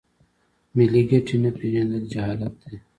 ملي ګټې نه پیژندل جهالت دی.